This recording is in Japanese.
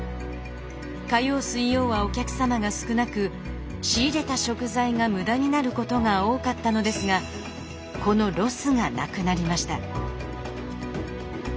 火曜水曜はお客様が少なく仕入れた食材が無駄になることが多かったのですがこのロスがなくなりました。